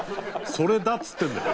それだっつってんだよ。